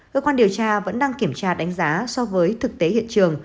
cơ quan điều tra vẫn đang kiểm tra đánh giá so với thực tế hiện trường